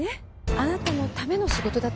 あなたのための仕事だと思うの。